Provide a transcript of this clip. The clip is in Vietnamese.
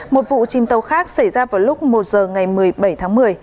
một vụ chìm tàu khác xảy ra vào lúc một giờ ngày một mươi bảy tháng một mươi